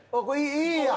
いいやん。